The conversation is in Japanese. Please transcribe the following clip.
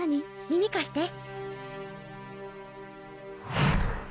耳かして。